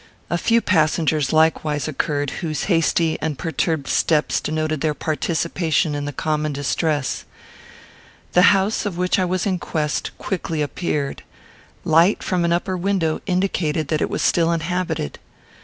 A few passengers likewise occurred, whose hasty and perturbed steps denoted their participation in the common distress. The house of which I was in quest quickly appeared. Light from an upper window indicated that it was still inhabited.